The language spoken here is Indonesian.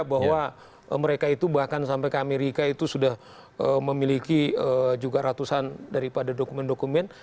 bahwa mereka itu bahkan sampai ke amerika itu sudah memiliki juga ratusan daripada dokumen dokumen